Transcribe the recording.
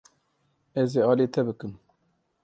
Ez ê alî te bikim.